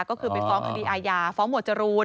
ก็คือไปฟ้องคดีอาญาฟ้องหมวดจรูน